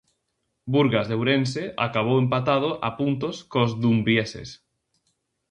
Burgas de Ourense acabou empatado a puntos cos dumbrieses.